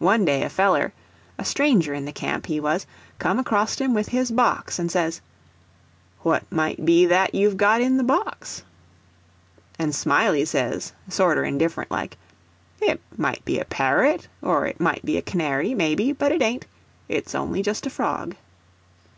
One day a feller—a stranger in the camp, he was—come acrost him with his box, and says: "What might be that you've got in the box?" And Smiley says, sorter indifferent like, "It might be a parrot, or it might be a canary, maybe, but it ain't—it's only just a frog."